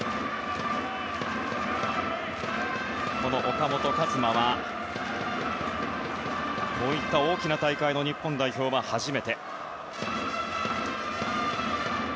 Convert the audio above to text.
岡本和真はこういった大きな大会の日本代表は初めて。